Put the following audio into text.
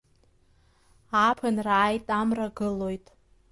Ааԥынра ааит, Амра гылоит.